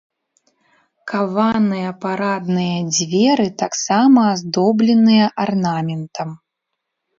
Каваныя парадныя дзверы таксама аздобленыя арнаментам.